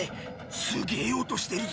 すげえ音してるぞ。